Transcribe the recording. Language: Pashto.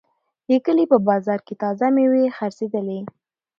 د کلي په بازار کې تازه میوې خرڅېدلې.